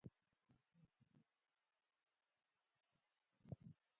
زه د نرمو غالیو احساس خوښوم.